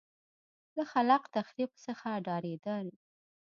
له خلاق تخریب څخه ډارېدل.